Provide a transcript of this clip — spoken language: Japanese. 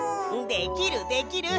できるできる！